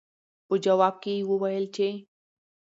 پۀ جواب کښې يې وويل چې